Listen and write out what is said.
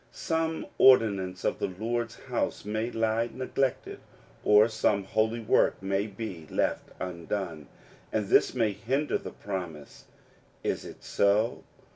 Some ordinance of the Lord's house may lie neglected, or some holy work may be left undone ; and this may hinder the promise. Is it so?